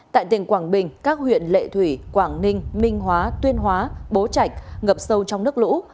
tại tỉnh quảng bình các huyện lệ thủy quảng ninh minh hóa tuyên hóa bố trạch ngập sâu trong nước lũ